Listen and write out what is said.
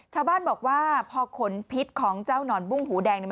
ชาวบ้านบอกว่าพอขนพิษของเจ้าหนอนบุ้งหูแดงเนี่ย